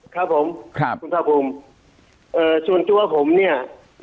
ครับผมส่วนตัวผมเนี่ย